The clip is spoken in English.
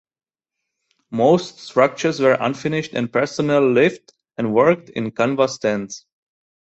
Most structures were unfinished and personnel lived and worked in canvas tents.